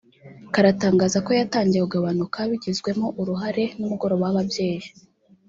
karatangaza ko yatangiye kugabanuka bigizwemo uruhare n’umugoroba w’ababyeyi